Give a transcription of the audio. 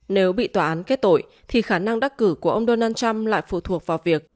nếu bị tòa án kết tội thì khả năng đắc cử của ông donald trump lại phụ thuộc vào việc